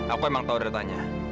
aku emang tahu data nya